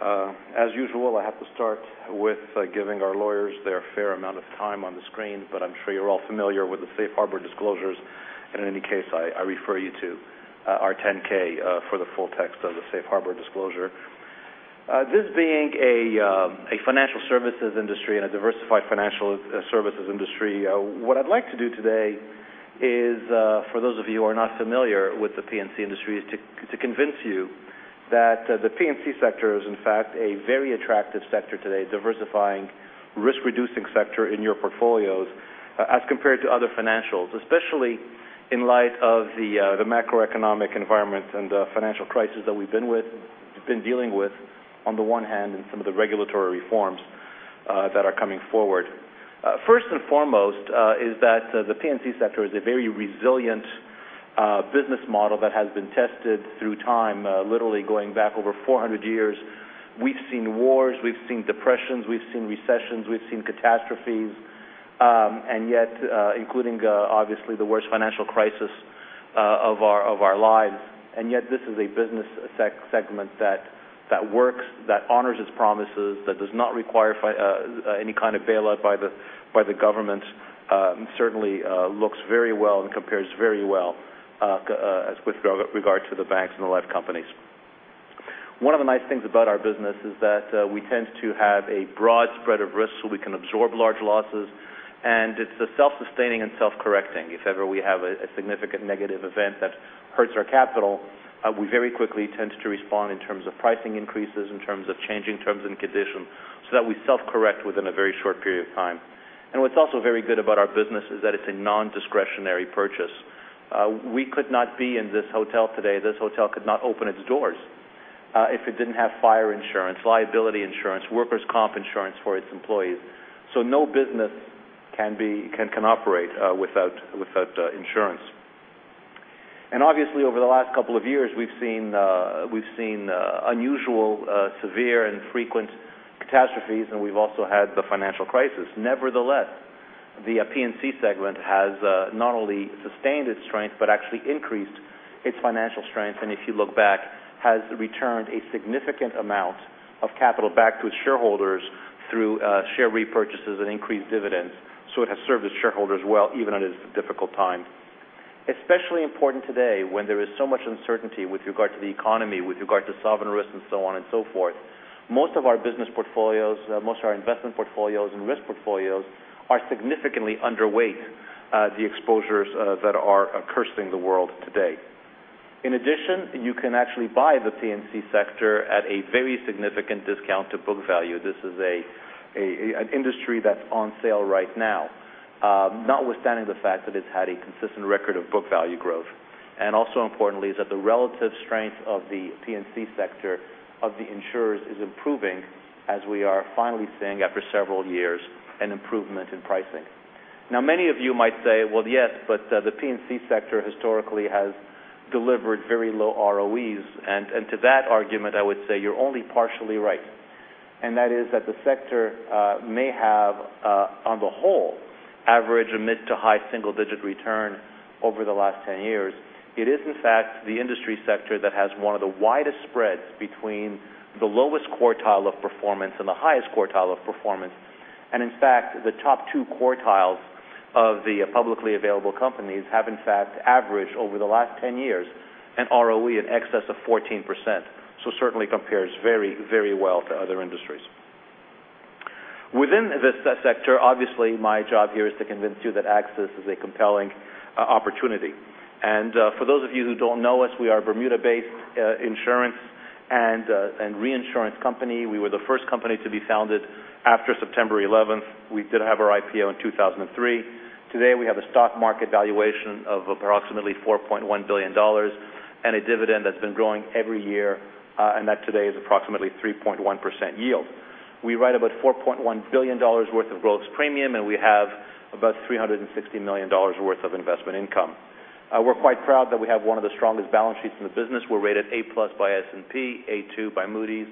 As usual, I have to start with giving our lawyers their fair amount of time on the screen, but I'm sure you're all familiar with the safe harbor disclosures. In any case, I refer you to our 10-K for the full text of the safe harbor disclosure. This being a financial services industry and a diversified financial services industry, what I'd like to do today is, for those of you who are not familiar with the P&C industry, is to convince you that the P&C sector is, in fact, a very attractive sector today, diversifying risk-reducing sector in your portfolios as compared to other financials, especially in light of the macroeconomic environment and the financial crisis that we've been dealing with on the one hand, and some of the regulatory reforms that are coming forward. First and foremost is that the P&C sector is a very resilient business model that has been tested through time literally going back over 400 years. We've seen wars, we've seen depressions, we've seen recessions, we've seen catastrophes, including obviously the worst financial crisis of our lives. Yet this is a business segment that works, that honors its promises, that does not require any kind of bailout by the government, certainly looks very well and compares very well with regard to the banks and the life companies. One of the nice things about our business is that we tend to have a broad spread of risk so we can absorb large losses, and it's self-sustaining and self-correcting. If ever we have a significant negative event that hurts our capital, we very quickly tend to respond in terms of pricing increases, in terms of changing terms and conditions, so that we self-correct within a very short period of time. What's also very good about our business is that it's a non-discretionary purchase. We could not be in this hotel today. This hotel could not open its doors if it didn't have fire insurance, liability insurance, workers' comp insurance for its employees. No business can operate without insurance. Obviously, over the last couple of years, we've seen unusual, severe, and frequent catastrophes, and we've also had the financial crisis. Nevertheless, the P&C segment has not only sustained its strength but actually increased its financial strength, and if you look back, has returned a significant amount of capital back to its shareholders through share repurchases and increased dividends. It has served its shareholders well, even in these difficult times. Especially important today when there is so much uncertainty with regard to the economy, with regard to sovereign risk, and so on and so forth. Most of our business portfolios, most of our investment portfolios and risk portfolios are significantly underweight the exposures that are cursing the world today. In addition, you can actually buy the P&C sector at a very significant discount to book value. This is an industry that's on sale right now notwithstanding the fact that it's had a consistent record of book value growth. Also importantly, is that the relative strength of the P&C sector of the insurers is improving as we are finally seeing, after several years, an improvement in pricing. Many of you might say, "Well, yes, but the P&C sector historically has delivered very low ROEs." To that argument, I would say you're only partially right, and that is that the sector may have, on the whole, average a mid to high single-digit return over the last 10 years. It is in fact the industry sector that has one of the widest spreads between the lowest quartile of performance and the highest quartile of performance. In fact, the top two quartiles of the publicly available companies have, in fact, averaged over the last 10 years an ROE in excess of 14%. Certainly compares very well to other industries. Within this sector, obviously, my job here is to convince you that AXIS is a compelling opportunity. For those of you who don't know us, we are a Bermuda-based insurance and reinsurance company. We were the first company to be founded after September 11th. We did have our IPO in 2003. Today, we have a stock market valuation of approximately $4.1 billion and a dividend that's been growing every year, and that today is approximately 3.1% yield. We write about $4.1 billion worth of gross premium, and we have about $360 million worth of investment income. We're quite proud that we have one of the strongest balance sheets in the business. We're rated A+ by S&P, A2 by Moody's,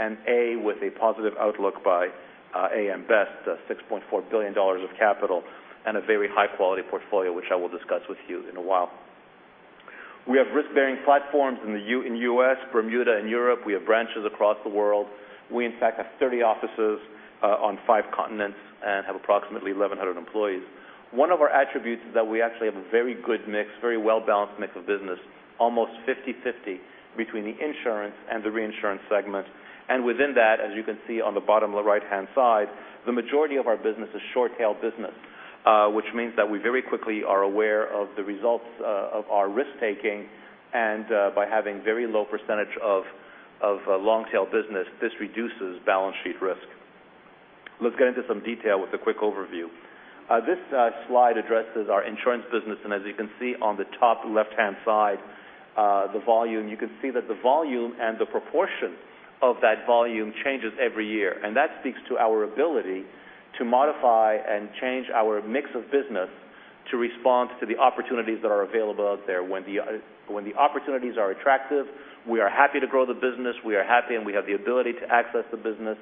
and A with a positive outlook by AM Best, $6.4 billion of capital, and a very high-quality portfolio, which I will discuss with you in a while. We have risk-bearing platforms in the U.S., Bermuda, and Europe. We have branches across the world. We, in fact, have 30 offices on five continents and have approximately 1,100 employees. One of our attributes is that we actually have a very good mix, very well-balanced mix of business, almost 50/50 between the insurance and the reinsurance segments. Within that, as you can see on the bottom right-hand side, the majority of our business is short-tail business, which means that we very quickly are aware of the results of our risk-taking, and by having very low percentage of long-tail business, this reduces balance sheet risk. Let's get into some detail with a quick overview. This slide addresses our insurance business, and as you can see on the top left-hand side, the volume. You can see that the volume and the proportion of that volume changes every year, and that speaks to our ability to modify and change our mix of business to respond to the opportunities that are available out there. When the opportunities are attractive, we are happy to grow the business, we are happy, and we have the ability to access the business.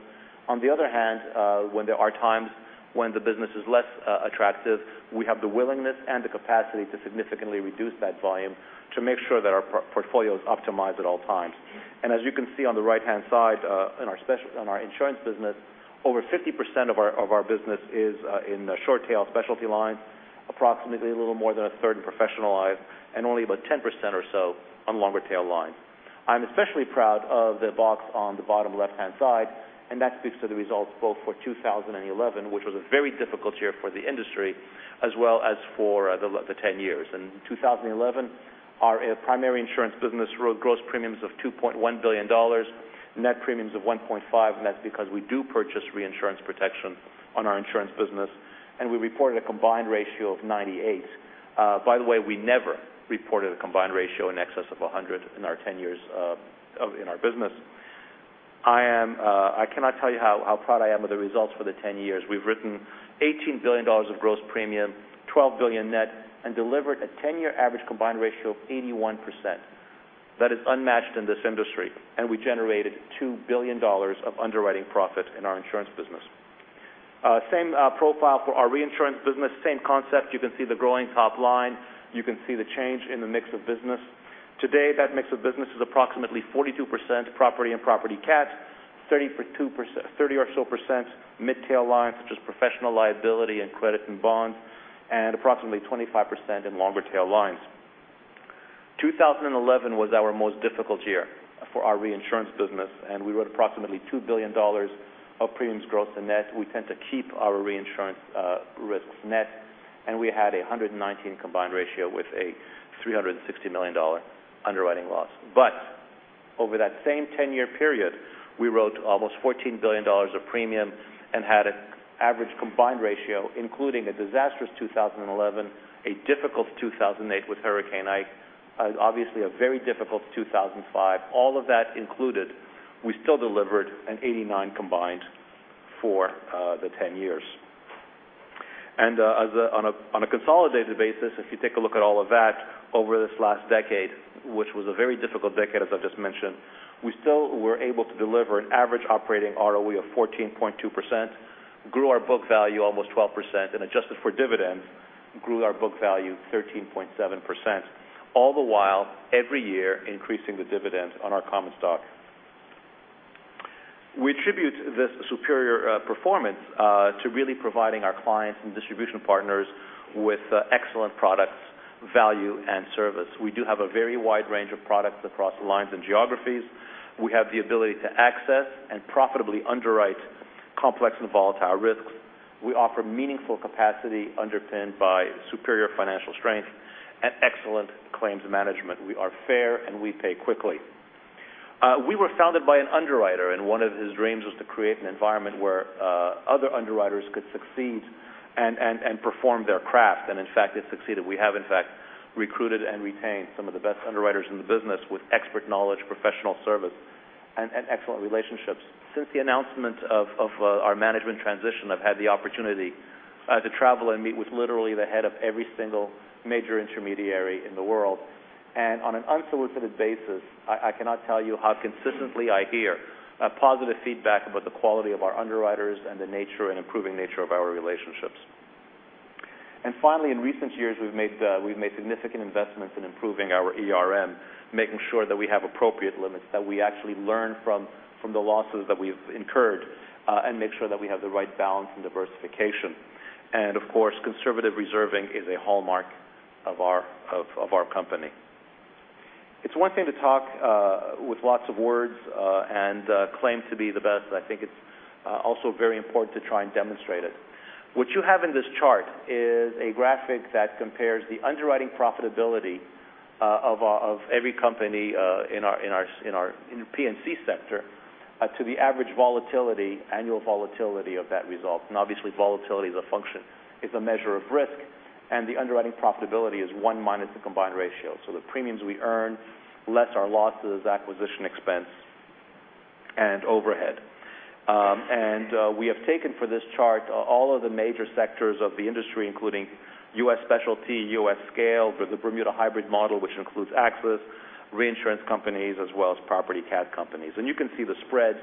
On the other hand, when there are times when the business is less attractive, we have the willingness and the capacity to significantly reduce that volume to make sure that our portfolio is optimized at all times. As you can see on the right-hand side in our insurance business, over 50% of our business is in the short tail specialty lines, approximately a little more than a third in professional lines, and only about 10% or so on longer tail lines. I'm especially proud of the box on the bottom left-hand side. That speaks to the results both for 2011, which was a very difficult year for the industry, as well as for the 10 years. In 2011, our primary insurance business wrote gross premiums of $2.1 billion, net premiums of $1.5 billion. That's because we do purchase reinsurance protection on our insurance business. We reported a combined ratio of 98. By the way, we never reported a combined ratio in excess of 100 in our 10 years in our business. I cannot tell you how proud I am of the results for the 10 years. We've written $18 billion of gross premium, $12 billion net, and delivered a 10-year average combined ratio of 81%. That is unmatched in this industry. We generated $2 billion of underwriting profit in our insurance business. Same profile for our reinsurance business, same concept. You can see the growing top line. You can see the change in the mix of business. Today, that mix of business is approximately 42% property and property cat, 30 or so percent mid tail lines, such as professional liability and credit and bonds, approximately 25% in longer tail lines. 2011 was our most difficult year for our reinsurance business. We wrote approximately $2 billion of premiums gross and net. We tend to keep our reinsurance risks net. We had 119 combined ratio with a $360 million underwriting loss. Over that same 10-year period, we wrote almost $14 billion of premium and had an average combined ratio, including a disastrous 2011, a difficult 2008 with Hurricane Ike, obviously a very difficult 2005. All of that included, we still delivered an 89 combined for the 10 years. On a consolidated basis, if you take a look at all of that over this last decade, which was a very difficult decade, as I've just mentioned, we still were able to deliver an average operating ROE of 14.2%, grew our book value almost 12%. Adjusted for dividends, grew our book value 13.7%, all the while every year increasing the dividends on our common stock. We attribute this superior performance to really providing our clients and distribution partners with excellent products, value, and service. We do have a very wide range of products across lines and geographies. We have the ability to access and profitably underwrite complex and volatile risks. We offer meaningful capacity underpinned by superior financial strength and excellent claims management. We are fair. We pay quickly. We were founded by an underwriter. One of his dreams was to create an environment where other underwriters could succeed and perform their craft. In fact, it succeeded. We have in fact recruited and retained some of the best underwriters in the business with expert knowledge, professional service, excellent relationships. Since the announcement of our management transition, I've had the opportunity to travel and meet with literally the head of every single major intermediary in the world. On an unsolicited basis, I cannot tell you how consistently I hear positive feedback about the quality of our underwriters and the nature and improving nature of our relationships. Finally, in recent years, we've made significant investments in improving our ERM, making sure that we have appropriate limits, that we actually learn from the losses that we've incurred, and make sure that we have the right balance and diversification. Of course, conservative reserving is a hallmark of our company. It's one thing to talk with lots of words and claim to be the best. I think it's also very important to try and demonstrate it. What you have in this chart is a graphic that compares the underwriting profitability of every company in the P&C sector to the average volatility, annual volatility of that result. Obviously, volatility is a function, is a measure of risk, and the underwriting profitability is one minus the combined ratio. The premiums we earn less our losses, acquisition expense, and overhead. We have taken for this chart all of the major sectors of the industry, including U.S. specialty, U.S. scale, the Bermuda hybrid model, which includes AXIS, reinsurance companies, as well as property cat companies. You can see the spread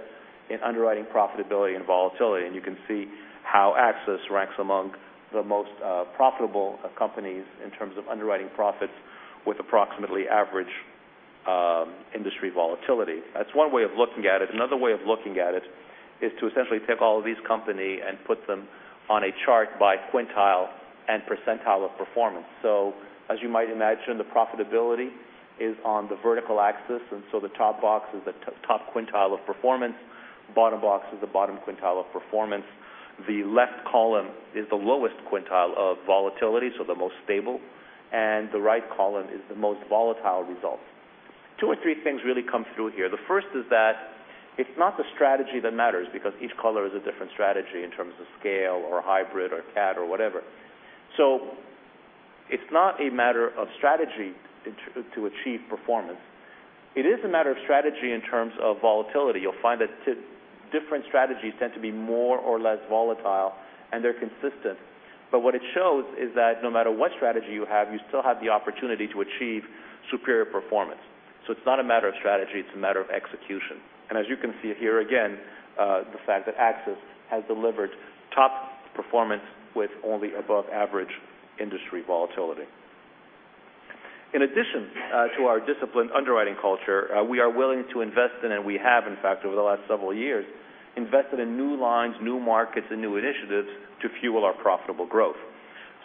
in underwriting profitability and volatility, and you can see how AXIS ranks among the most profitable companies in terms of underwriting profits with approximately average industry volatility. That's one way of looking at it. Another way of looking at it is to essentially take all of these company and put them on a chart by quintile and percentile of performance. As you might imagine, the profitability is on the vertical axis, the top box is the top quintile of performance. Bottom box is the bottom quintile of performance. The left column is the lowest quintile of volatility, the most stable, the right column is the most volatile results. Two or three things really come through here. The first is that it's not the strategy that matters because each color is a different strategy in terms of scale or hybrid or cat or whatever. It's not a matter of strategy to achieve performance It is a matter of strategy in terms of volatility. You'll find that different strategies tend to be more or less volatile, and they're consistent. What it shows is that no matter what strategy you have, you still have the opportunity to achieve superior performance. It's not a matter of strategy, it's a matter of execution. As you can see here again, the fact that AXIS has delivered top performance with only above-average industry volatility. In addition to our disciplined underwriting culture, we are willing to invest in, we have, in fact, over the last several years, invested in new lines, new markets, and new initiatives to fuel our profitable growth.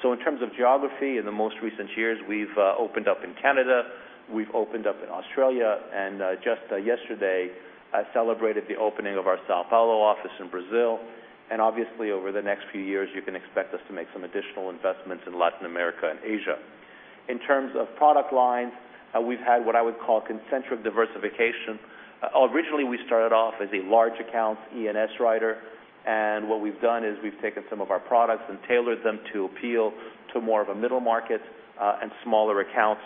In terms of geography, in the most recent years, we've opened up in Canada, we've opened up in Australia, and just yesterday, I celebrated the opening of our São Paulo office in Brazil. Obviously, over the next few years, you can expect us to make some additional investments in Latin America and Asia. In terms of product lines, we've had what I would call concentric diversification. Originally, we started off as a large accounts E&S writer, what we've done is we've taken some of our products and tailored them to appeal to more of a middle market and smaller accounts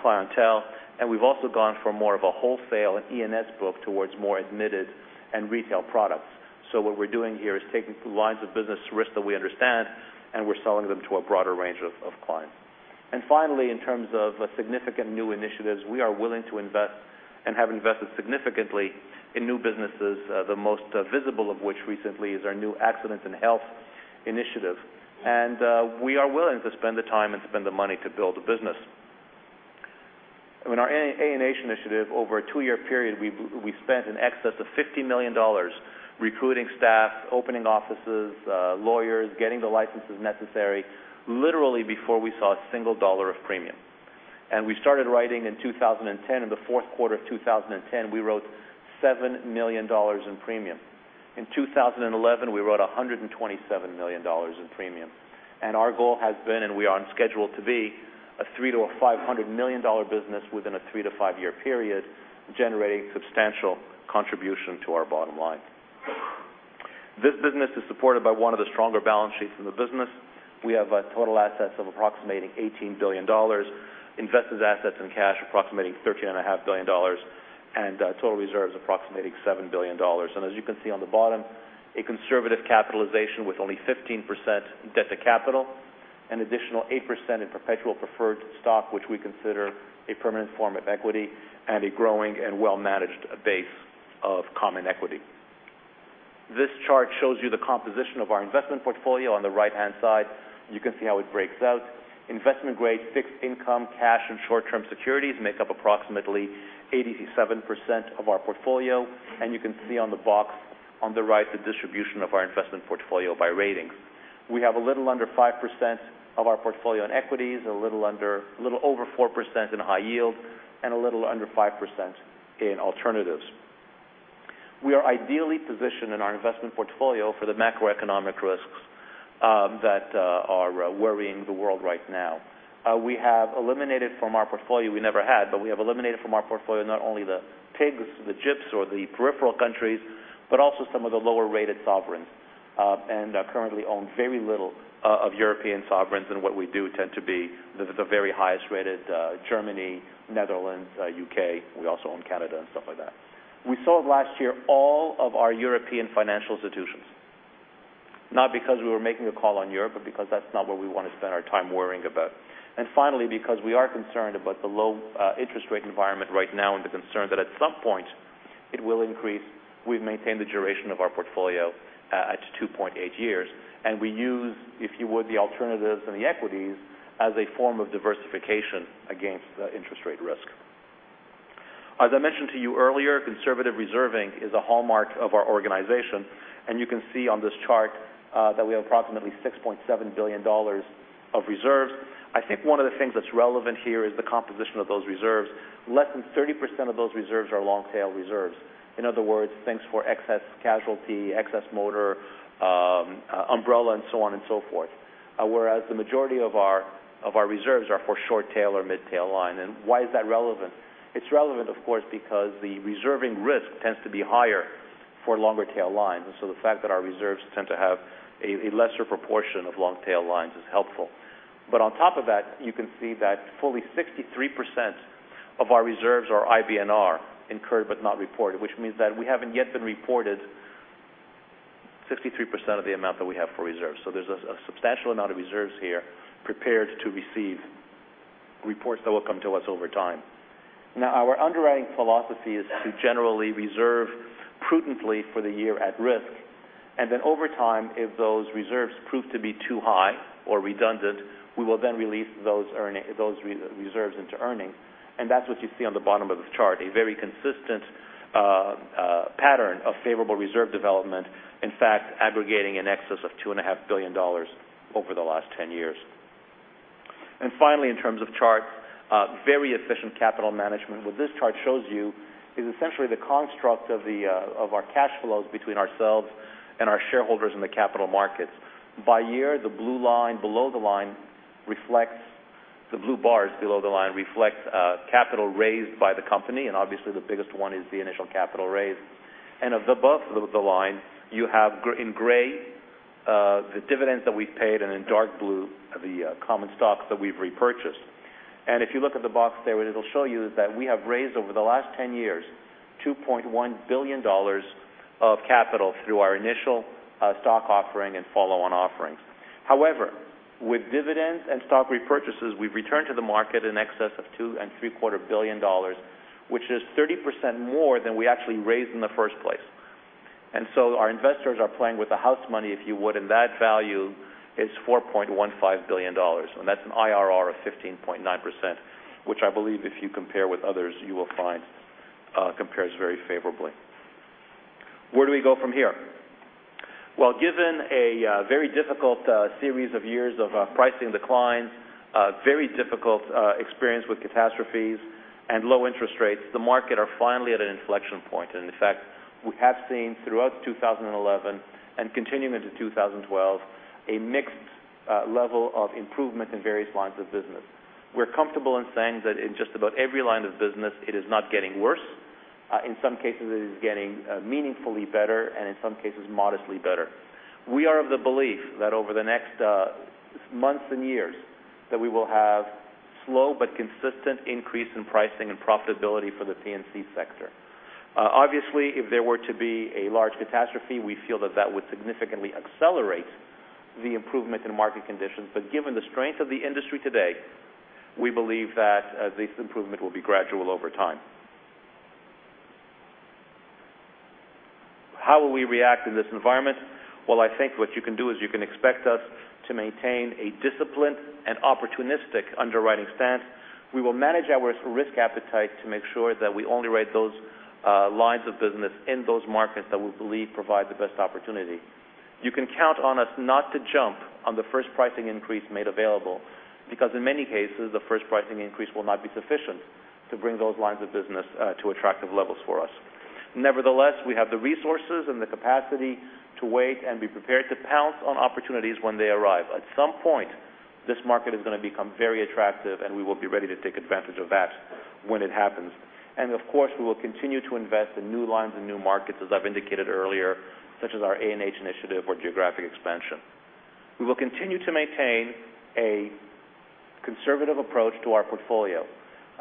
clientele. We've also gone from more of a wholesale and E&S book towards more admitted and retail products. What we're doing here is taking lines of business risk that we understand, and we're selling them to a broader range of clients. Finally, in terms of significant new initiatives, we are willing to invest and have invested significantly in new businesses, the most visible of which recently is our new Accident and Health initiative. We are willing to spend the time and spend the money to build a business. In our A&H initiative, over a two-year period, we spent in excess of $50 million recruiting staff, opening offices, lawyers, getting the licenses necessary, literally before we saw a single dollar of premium. We started writing in 2010. In the fourth quarter of 2010, we wrote $7 million in premium. In 2011, we wrote $127 million in premium. Our goal has been, and we are on schedule to be, a $300 million-$500 million business within a three-to-five-year period, generating substantial contribution to our bottom line. This business is supported by one of the stronger balance sheets in the business. We have total assets of approximating $18 billion, invested assets and cash approximating $13.5 billion, and total reserves approximating $7 billion. As you can see on the bottom, a conservative capitalization with only 15% debt to capital, an additional 8% in perpetual preferred stock, which we consider a permanent form of equity, and a growing and well-managed base of common equity. This chart shows you the composition of our investment portfolio. On the right-hand side, you can see how it breaks out. Investment-grade fixed income, cash, and short-term securities make up approximately 87% of our portfolio. You can see on the box on the right the distribution of our investment portfolio by ratings. We have a little under 5% of our portfolio in equities, a little over 4% in high yield, and a little under 5% in alternatives. We are ideally positioned in our investment portfolio for the macroeconomic risks that are worrying the world right now. We have eliminated from our portfolio, we never had, but we have eliminated from our portfolio not only the PIGS, the GIIPS, or the peripheral countries, but also some of the lower-rated sovereigns, and currently own very little of European sovereigns, and what we do tend to be the very highest-rated Germany, Netherlands, U.K. We also own Canada and stuff like that. We sold last year all of our European financial institutions. Not because we were making a call on Europe, but because that's not what we want to spend our time worrying about. Finally, because we are concerned about the low interest rate environment right now and the concern that at some point it will increase, we've maintained the duration of our portfolio at 2.8 years, and we use, if you would, the alternatives and the equities as a form of diversification against interest rate risk. As I mentioned to you earlier, conservative reserving is a hallmark of our organization, and you can see on this chart that we have approximately $6.7 billion of reserves. I think one of the things that's relevant here is the composition of those reserves. Less than 30% of those reserves are long-tail reserves. In other words, such as excess casualty, excess motor, umbrella, and so on and so forth. Whereas the majority of our reserves are for short tail or mid tail line. Why is that relevant? It's relevant, of course, because the reserving risk tends to be higher for longer tail lines, and so the fact that our reserves tend to have a lesser proportion of long tail lines is helpful. On top of that, you can see that fully 63% of our reserves are IBNR, Incurred But Not Reported, which means that we haven't yet been reported 63% of the amount that we have for reserves. There's a substantial amount of reserves here prepared to receive reports that will come to us over time. Now, our underwriting philosophy is to generally reserve prudently for the year at risk, then over time, if those reserves prove to be too high or redundant, we will then release those reserves into earnings. That's what you see on the bottom of the chart, a very consistent pattern of favorable reserve development, in fact, aggregating in excess of $2.5 billion over the last 10 years. Finally, in terms of chart, very efficient capital management. What this chart shows you is essentially the construct of our cash flows between ourselves and our shareholders in the capital markets. By year, the blue bars below the line reflect capital raised by the company, and obviously the biggest one is the initial capital raise. Above the line, you have in gray The dividends that we've paid, and in dark blue are the common stocks that we've repurchased. If you look at the box there, it'll show you that we have raised over the last 10 years, $2.1 billion of capital through our initial stock offering and follow-on offerings. However, with dividends and stock repurchases, we've returned to the market in excess of two and three-quarter billion dollars, which is 30% more than we actually raised in the first place. Our investors are playing with the house money, if you would, and that value is $4.15 billion. That's an IRR of 15.9%, which I believe if you compare with others, you will find compares very favorably. Where do we go from here? Well, given a very difficult series of years of pricing declines, very difficult experience with catastrophes, and low interest rates, the market are finally at an inflection point. In fact, we have seen throughout 2011 and continuing into 2012, a mixed level of improvement in various lines of business. We're comfortable in saying that in just about every line of business, it is not getting worse. In some cases it is getting meaningfully better, and in some cases modestly better. We are of the belief that over the next months and years that we will have slow but consistent increase in pricing and profitability for the P&C sector. Obviously, if there were to be a large catastrophe, we feel that that would significantly accelerate the improvement in market conditions. Given the strength of the industry today, we believe that this improvement will be gradual over time. How will we react in this environment? Well, I think what you can do is you can expect us to maintain a disciplined and opportunistic underwriting stance. We will manage our risk appetite to make sure that we only write those lines of business in those markets that we believe provide the best opportunity. You can count on us not to jump on the first pricing increase made available because in many cases, the first pricing increase will not be sufficient to bring those lines of business to attractive levels for us. Nevertheless, we have the resources and the capacity to wait and be prepared to pounce on opportunities when they arrive. At some point, this market is going to become very attractive, we will be ready to take advantage of that when it happens. Of course, we will continue to invest in new lines and new markets, as I've indicated earlier, such as our A&H initiative or geographic expansion. We will continue to maintain a conservative approach to our portfolio.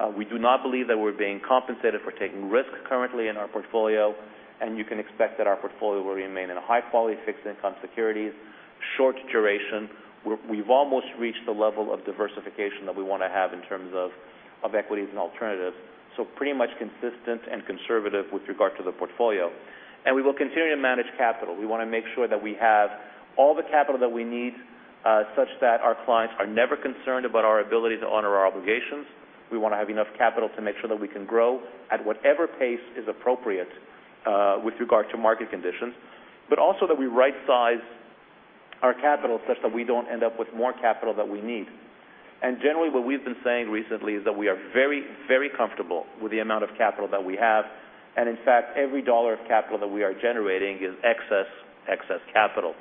We do not believe that we're being compensated for taking risk currently in our portfolio, and you can expect that our portfolio will remain in high-quality fixed income securities, short duration. We've almost reached the level of diversification that we want to have in terms of equities and alternatives. Pretty much consistent and conservative with regard to the portfolio. We will continue to manage capital. We want to make sure that we have all the capital that we need such that our clients are never concerned about our ability to honor our obligations. We want to have enough capital to make sure that we can grow at whatever pace is appropriate with regard to market conditions, but also that we rightsize our capital such that we don't end up with more capital than we need. Generally, what we've been saying recently is that we are very, very comfortable with the amount of capital that we have. In fact, every $1 of capital that we are generating is excess capital.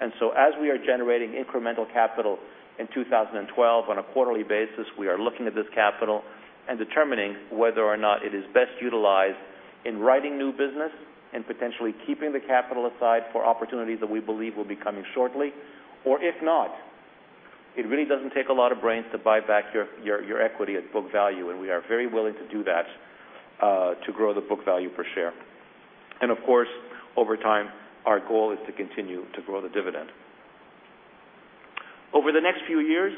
As we are generating incremental capital in 2012 on a quarterly basis, we are looking at this capital and determining whether or not it is best utilized in writing new business and potentially keeping the capital aside for opportunities that we believe will be coming shortly. If not, it really doesn't take a lot of brains to buy back your equity at book value, we are very willing to do that to grow the book value per share. Of course, over time, our goal is to continue to grow the dividend. Over the next few years,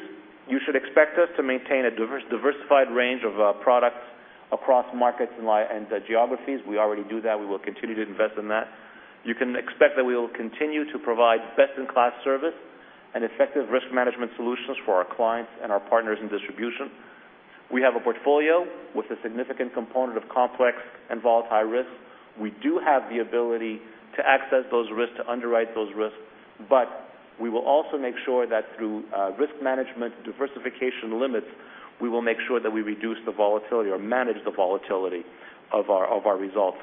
you should expect us to maintain a diversified range of products across markets and geographies. We already do that. We will continue to invest in that. You can expect that we will continue to provide best-in-class service and effective risk management solutions for our clients and our partners in distribution. We have a portfolio with a significant component of complex and volatile risks. We do have the ability to access those risks, to underwrite those risks, but we will also make sure that through risk management diversification limits, we will make sure that we reduce the volatility or manage the volatility of our results.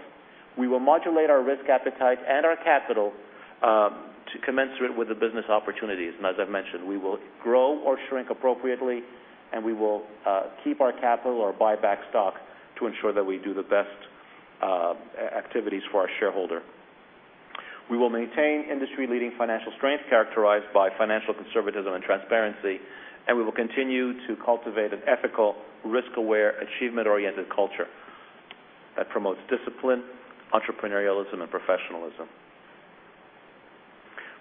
We will modulate our risk appetite and our capital to commensurate with the business opportunities. As I've mentioned, we will grow or shrink appropriately, we will keep our capital or buy back stock to ensure that we do the best activities for our shareholder. We will maintain industry-leading financial strength characterized by financial conservatism and transparency. We will continue to cultivate an ethical, risk-aware, achievement-oriented culture that promotes discipline, entrepreneurialism, and professionalism.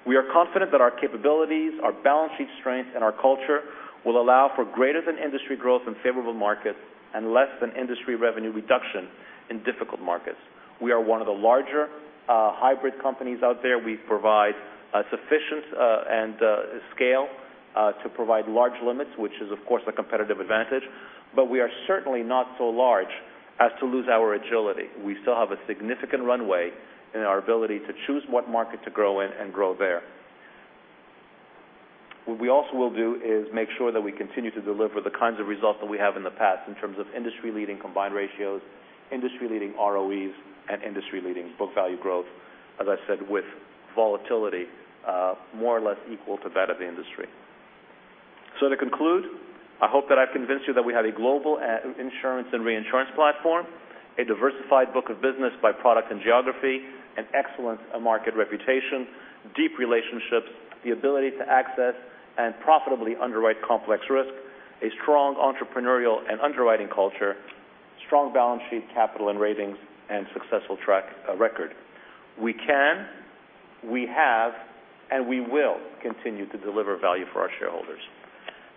We are confident that our capabilities, our balance sheet strength, and our culture will allow for greater than industry growth in favorable markets and less than industry revenue reduction in difficult markets. We are one of the larger hybrid companies out there. We provide sufficient and scale to provide large limits, which is, of course, a competitive advantage. We are certainly not so large as to lose our agility. We still have a significant runway in our ability to choose what market to grow in and grow there. What we also will do is make sure that we continue to deliver the kinds of results that we have in the past in terms of industry-leading combined ratios, industry-leading ROEs, and industry-leading book value growth, as I said, with volatility more or less equal to that of the industry. To conclude, I hope that I've convinced you that we have a global insurance and reinsurance platform, a diversified book of business by product and geography, an excellent market reputation, deep relationships, the ability to access and profitably underwrite complex risk, a strong entrepreneurial and underwriting culture, strong balance sheet capital and ratings, and successful track record. We can, we have, and we will continue to deliver value for our shareholders.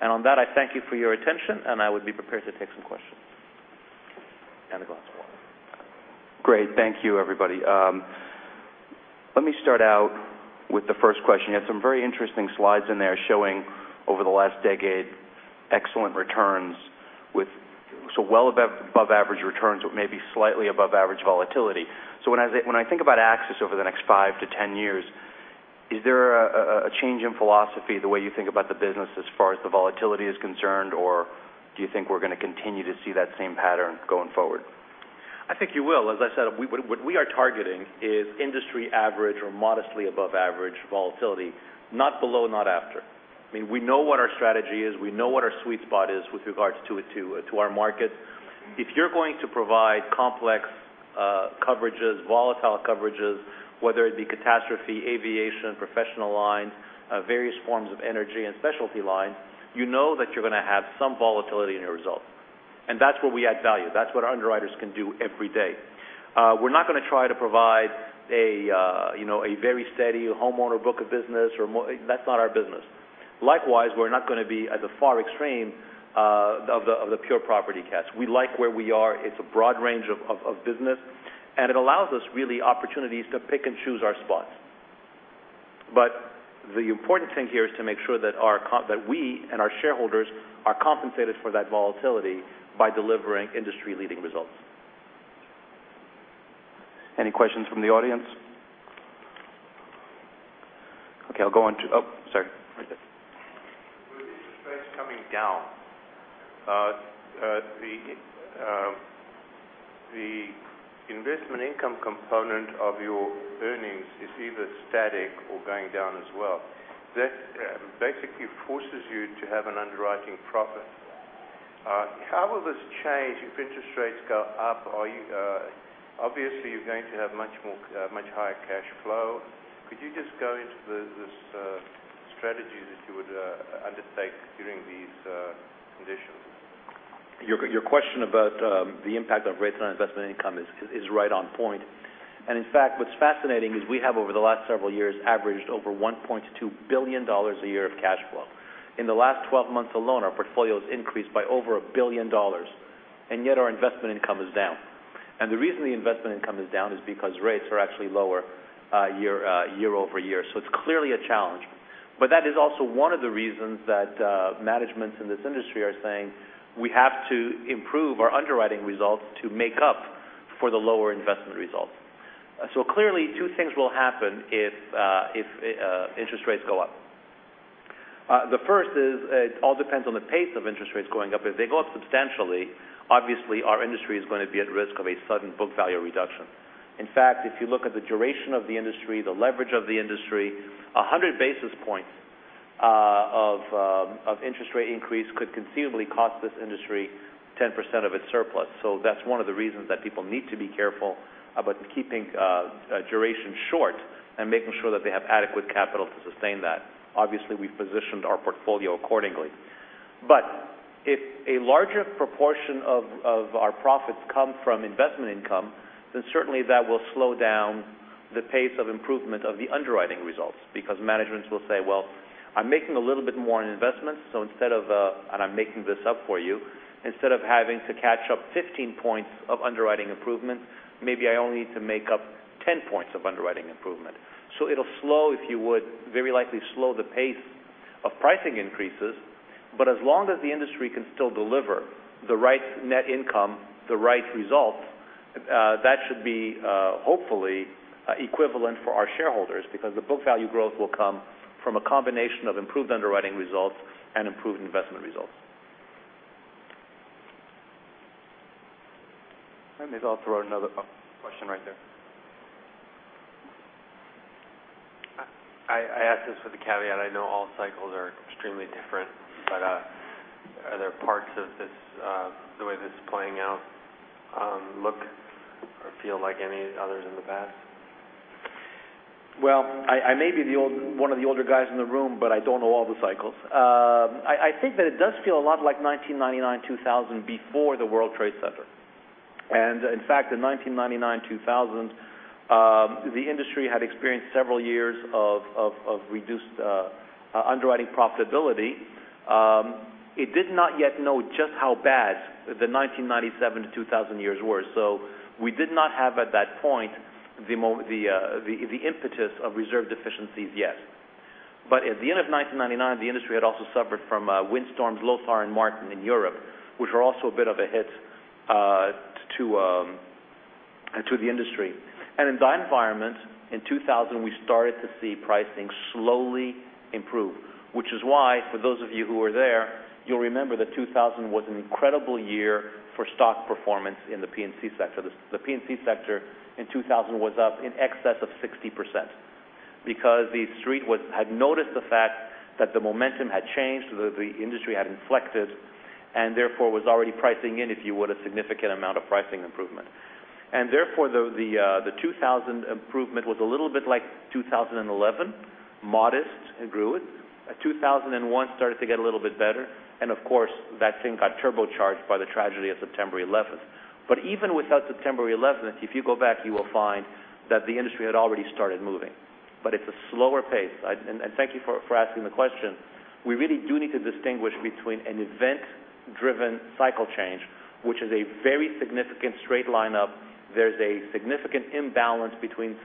On that, I thank you for your attention, and I would be prepared to take some questions. A glass of water. Great. Thank you, everybody. Let me start out with the first question. You had some very interesting slides in there showing over the last decade excellent returns with well above average returns with maybe slightly above average volatility. When I think about AXIS over the next 5 to 10 years, is there a change in philosophy the way you think about the business as far as the volatility is concerned, or do you think we're going to continue to see that same pattern going forward? I think you will. As I said, what we are targeting is industry average or modestly above average volatility. Not below, not after. We know what our strategy is. We know what our sweet spot is with regards to our market. If you're going to provide complex coverages, volatile coverages, whether it be catastrophe, aviation, professional line, various forms of energy and specialty lines, you know that you're going to have some volatility in your results. That's where we add value. That's what our underwriters can do every day. We're not going to try to provide a very steady homeowner book of business; that's not our business. Likewise, we're not going to be at the far extreme of the pure property cats. We like where we are. It's a broad range of business. It allows us really opportunities to pick and choose our spots. The important thing here is to make sure that we and our shareholders are compensated for that volatility by delivering industry-leading results. Any questions from the audience? Okay, I'll go on to sorry. Right there. With interest rates coming down the investment income component of your earnings is either static or going down as well. That basically forces you to have an underwriting profit. How will this change if interest rates go up? Obviously, you're going to have much higher cash flow. Could you just go into the strategies that you would undertake during these conditions? Your question about the impact of rates on investment income is right on point and in fact, what's fascinating is we have over the last several years averaged over $1.2 billion a year of cash flow. In the last 12 months alone, our portfolio has increased by over $1 billion, yet our investment income is down. The reason the investment income is down is because rates are actually lower year-over-year. It's clearly a challenge, but that is also one of the reasons that managements in this industry are saying we have to improve our underwriting results to make up for the lower investment results. Clearly two things will happen if interest rates go up. The first is it all depends on the pace of interest rates going up. If they go up substantially, obviously our industry is going to be at risk of a sudden book value reduction. In fact, if you look at the duration of the industry, the leverage of the industry, 100 basis points of interest rate increase could conceivably cost this industry 10% of its surplus. That's one of the reasons that people need to be careful about keeping duration short and making sure that they have adequate capital to sustain that. Obviously, we've positioned our portfolio accordingly. If a larger proportion of our profits come from investment income, then certainly that will slow down the pace of improvement of the underwriting results because managements will say, "Well, I'm making a little bit more on investments and I'm making this up for you. Instead of having to catch up 15 points of underwriting improvement, maybe I only need to make up 10 points of underwriting improvement." It'll slow, if you would, very likely slow the pace of pricing increases, but as long as the industry can still deliver the right net income, the right results, that should be hopefully equivalent for our shareholders because the book value growth will come from a combination of improved underwriting results and improved investment results. Maybe I'll throw another question right there. I ask this with the caveat, I know all cycles are extremely different, are there parts of the way this is playing out look or feel like any others in the past? Well, I may be one of the older guys in the room, but I don't know all the cycles. I think that it does feel a lot like 1999, 2000 before the World Trade Center. In fact, in 1999, 2000 the industry had experienced several years of reduced underwriting profitability. It did not yet know just how bad the 1997 to 2000 years were. We did not have at that point the impetus of reserve deficiencies yet. At the end of 1999, the industry had also suffered from windstorms Lothar and Martin in Europe, which were also a bit of a hit to the industry. In that environment, in 2000, we started to see pricing slowly improve, which is why for those of you who were there, you'll remember that 2000 was an incredible year for stock performance in the P&C sector. The P&C sector in 2000 was up in excess of 60%, because the Street had noticed the fact that the momentum had changed, the industry had inflected, and therefore was already pricing in, if you would, a significant amount of pricing improvement. Therefore, the 2000 improvement was a little bit like 2011, modest and grew it. 2001 started to get a little bit better, and of course, that thing got turbocharged by the tragedy of September 11th. Even without September 11th, if you go back, you will find that the industry had already started moving, but it's a slower pace. Thank you for asking the question. We really do need to distinguish between an event-driven cycle change, which is a very significant straight line up. There's a significant imbalance between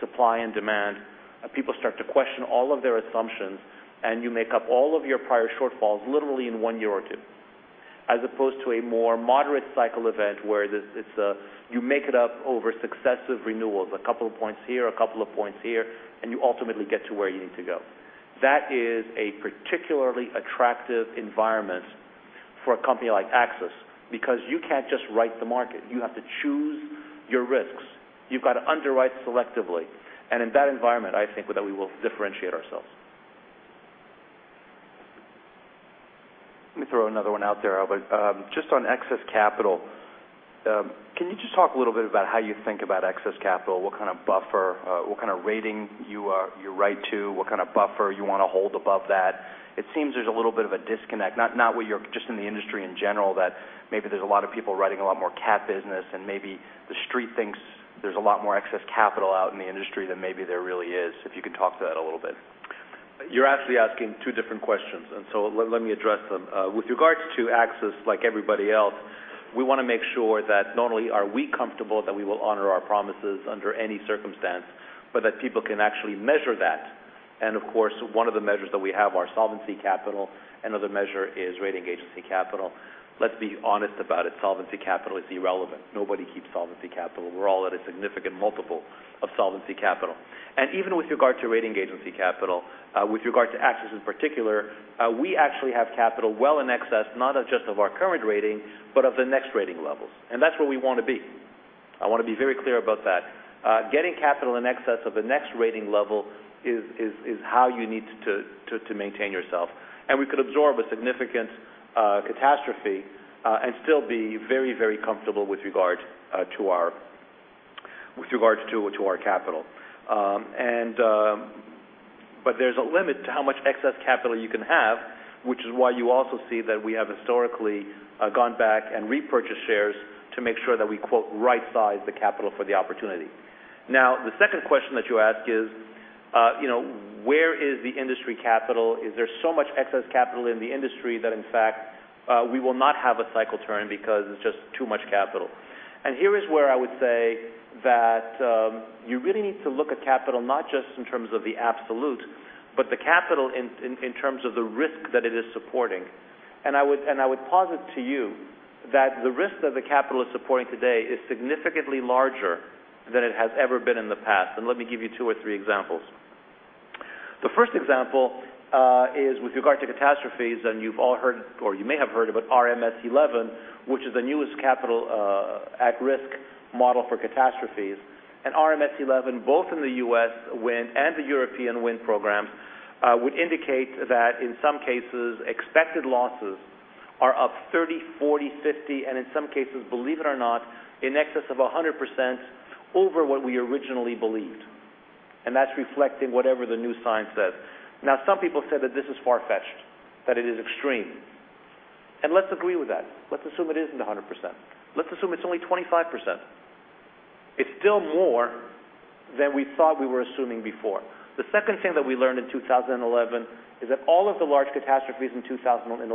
supply and demand, and people start to question all of their assumptions, and you make up all of your prior shortfalls literally in one year or two. As opposed to a more moderate cycle event where you make it up over successive renewals, a couple of points here, a couple of points here, and you ultimately get to where you need to go. That is a particularly attractive environment for a company like AXIS because you can't just write the market. You have to choose your risks. You've got to underwrite selectively. In that environment, I think that we will differentiate ourselves. Let me throw another one out there, Albert. Just on excess capital, can you just talk a little bit about how you think about excess capital? What kind of buffer, what kind of rating you write to? What kind of buffer you want to hold above that? It seems there's a little bit of a disconnect, not with you, just in the industry in general, that maybe there's a lot of people writing a lot more cat business, and maybe the Street thinks there's a lot more excess capital out in the industry than maybe there really is. If you can talk to that a little bit. You're actually asking two different questions. Let me address them. With regards to AXIS, like everybody else, we want to make sure that not only are we comfortable that we will honor our promises under any circumstance, but that people can actually measure that. Of course, one of the measures that we have, our solvency capital. Another measure is rating agency capital. Let's be honest about it, solvency capital is irrelevant. Nobody keeps solvency capital. We're all at a significant multiple of solvency capital. Even with regard to rating agency capital, with regard to AXIS in particular, we actually have capital well in excess, not just of our current rating, but of the next rating levels. That's where we want to be. I want to be very clear about that. Getting capital in excess of the next rating level is how you need to maintain yourself. We could absorb a significant catastrophe and still be very comfortable with regard to our capital. There's a limit to how much excess capital you can have, which is why you also see that we have historically gone back and repurchased shares to make sure that we, quote, "right-size the capital for the opportunity." The second question that you ask is where is the industry capital? Is there so much excess capital in the industry that, in fact, we will not have a cycle turn because it's just too much capital? Here is where I would say that you really need to look at capital not just in terms of the absolute, but the capital in terms of the risk that it is supporting. I would posit to you that the risk that the capital is supporting today is significantly larger than it has ever been in the past. Let me give you two or three examples. The first example is with regard to catastrophes. You've all heard, or you may have heard about RMS 11, which is the newest capital at-risk model for catastrophes. RMS 11, both in the U.S. wind and the European wind programs, would indicate that in some cases, expected losses are up 30%, 40%, 50%, and in some cases, believe it or not, in excess of 100% over what we originally believed. That's reflecting whatever the new science says. Some people said that this is far-fetched, that it is extreme. Let's agree with that. Let's assume it isn't 100%. Let's assume it's only 25%. It's still more than we thought we were assuming before. The second thing that we learned in 2011 is that all of the large catastrophes in 2011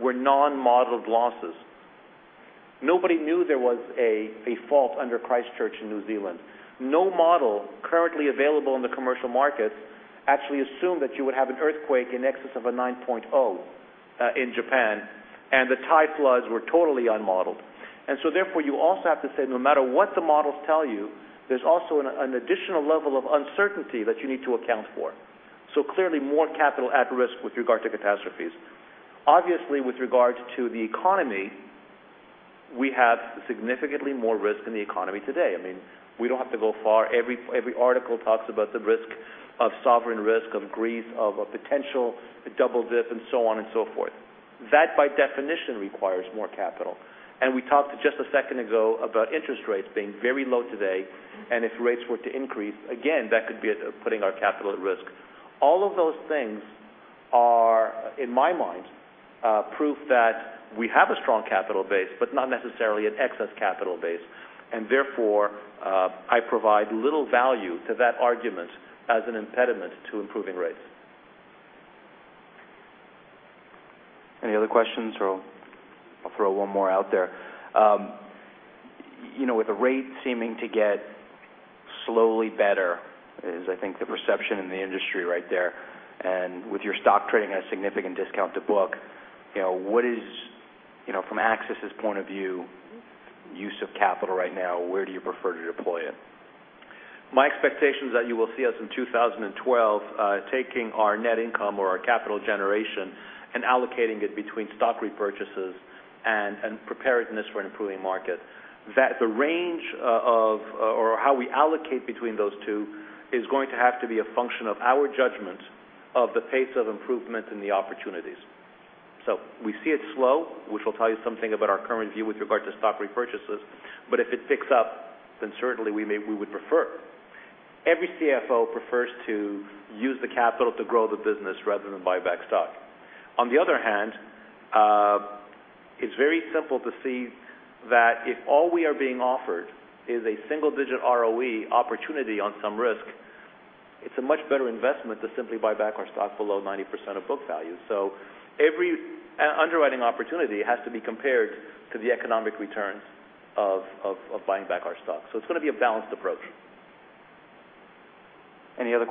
were non-modeled losses. Nobody knew there was a fault under Christchurch in New Zealand. No model currently available in the commercial market actually assumed that you would have an earthquake in excess of a 9.0 in Japan, and the Thai floods were totally unmodeled. You also have to say, no matter what the models tell you, there's also an additional level of uncertainty that you need to account for. Clearly more capital at risk with regards to catastrophes. Obviously, with regards to the economy, we have significantly more risk in the economy today. I mean, we don't have to go far. Every article talks about the risk of sovereign risk, of Greece, of a potential double-dip, and so on and so forth. That, by definition, requires more capital. We talked just a second ago about interest rates being very low today, if rates were to increase, again, that could be putting our capital at risk. All of those things are, in my mind, proof that we have a strong capital base, but not necessarily an excess capital base. Therefore, I provide little value to that argument as an impediment to improving rates. Any other questions, or I'll throw one more out there. With the rate seeming to get slowly better is, I think, the perception in the industry right there, with your stock trading at a significant discount to book, from AXIS's point of view, use of capital right now, where do you prefer to deploy it? My expectation is that you will see us in 2012 taking our net income or our capital generation and allocating it between stock repurchases and preparedness for an improving market. That the range of, or how we allocate between those two is going to have to be a function of our judgment of the pace of improvement and the opportunities. We see it slow, which will tell you something about our current view with regard to stock repurchases. If it picks up, then certainly we would prefer. Every CFO prefers to use the capital to grow the business rather than buy back stock. On the other hand, it's very simple to see that if all we are being offered is a single-digit ROE opportunity on some risk, it's a much better investment to simply buy back our stock below 90% of book value. Every underwriting opportunity has to be compared to the economic returns of buying back our stock. It's going to be a balanced approach. Any other questions?